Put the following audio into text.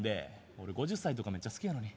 俺５０歳とかめっちゃ好きやのに。